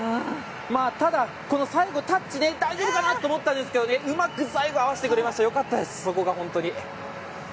ただ、最後、タッチで大丈夫かなと思ったんですけどうまく最後、合わせてくれました良かったです。